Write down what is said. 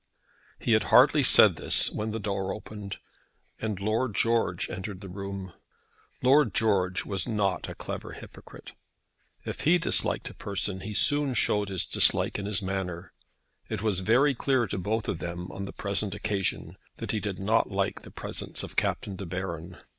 He had hardly said this when the door opened and Lord George entered the room. Lord George was not a clever hypocrite. If he disliked a person he soon showed his dislike in his manner. It was very clear to both of them on the present occasion that he did not like the presence of Captain De Baron.